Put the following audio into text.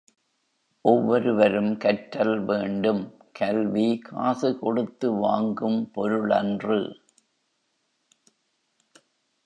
ஒவ்வொரு வரும் கற்றல் வேண்டும். கல்வி காசு கொடுத்து வாங்கும் பொருளன்று.